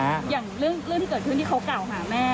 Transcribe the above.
อย่างเรื่องที่เกิดขึ้นที่เขากล่าวหาแม่